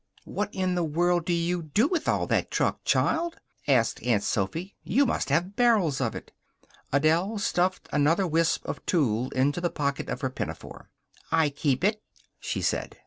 "What in the world do you do with all that truck, child?" asked Aunt Sophy. "You must have barrels of it." Adele stuffed another wisp of tulle into the pocket of her pinafore. "I keep it," she said.